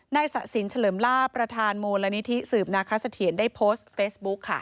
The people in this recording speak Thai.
สะสินเฉลิมลาบประธานมูลนิธิสืบนาคสะเทียนได้โพสต์เฟซบุ๊คค่ะ